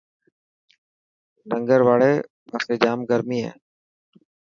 ننگر واڙي پاسي ڄام گرمي هي.